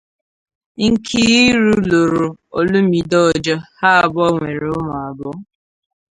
Nkiru lụrụ Olumide Ojo, ha abụọ nwere ụmụ abụọ.